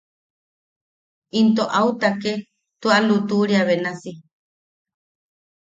Into au take tua lutuʼuriata benasi;.